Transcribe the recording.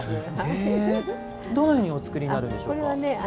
どのようにお作りになるんでしょう？